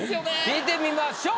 聞いてみましょう。